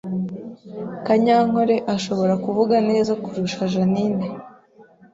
Kanyankore ashobora kuvuga neza kurusha Jeaninne